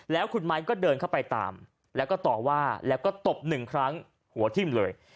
แล้วคุณไม้ก็เดินเข้าไปตามแล้วก็ต่อว่าแล้วก็ตบหนึ่งครั้งหัวทิ่มเลย